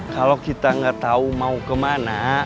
kalau kita gak tau mau kemana